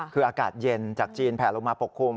คืออากาศเย็นจากจีนแผลลงมาปกคลุม